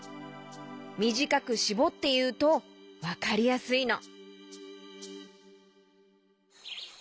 みじかくしぼっていうとわかりやすいの。